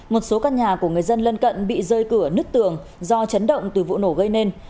một số căn nhà của người dân lân cận bị rơi cửa nứt tường do chấn động từ vụ nổ gây nên